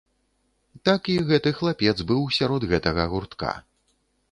Так і гэты хлапец быў сярод гэтага гуртка.